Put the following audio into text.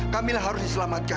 kamila harus diselamatkan